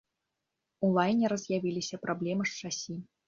У лайнера з'явіліся праблемы з шасі.